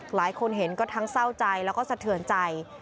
หลายคนเห็นก็ทั้งเศร้าใจแล้วก็สะเทือนใจ